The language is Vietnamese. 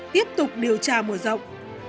tiếp tục điều tra mùa rộng